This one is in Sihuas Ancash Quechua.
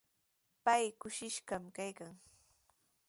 Pay kushishqami kaykan.